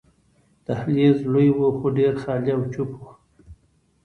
دهلېز لوی وو، خو ډېر خالي او چوپ وو.